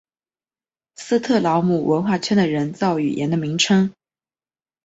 斯特劳姆文明圈的人造语言的名称。